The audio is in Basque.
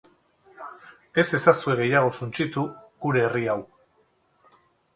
Ez ezazue gehiago suntsitu gure herri hau.